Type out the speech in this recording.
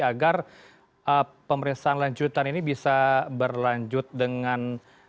agar pemeriksaan lanjutan ini bisa berlanjut dengan